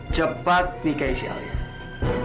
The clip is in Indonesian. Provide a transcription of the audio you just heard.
cepat nikah isi alia